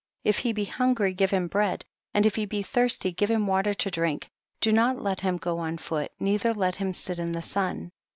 If he be hungry give him bread, and if he be thirsty give him water to drink ; do not let him go on foot, neither let him sit in the sun.